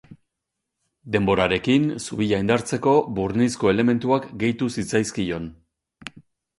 Denborarekin, zubia indartzeko, burnizko elementuak gehitu zitzaizkion.